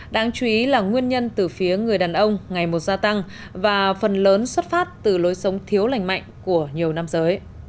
đáng chú ý là nguyên nhân từ phía người đàn ông ngày một gia tăng và phần lớn xuất phát từ lối sống thiếu lành mạnh của nhiều nam giới